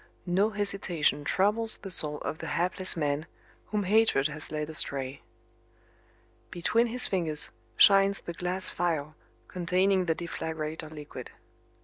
No hesitation troubles the soul of the hapless man whom hatred has led astray. Between his fingers shines the glass phial containing the deflagrator liquid.